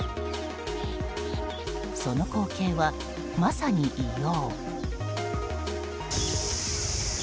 その光景は、まさに異様。